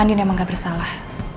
andin emang gak bersalah